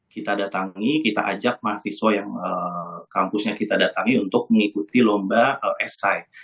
kita datangi kita ajak mahasiswa yang kampusnya kita datangi untuk mengikuti lomba esai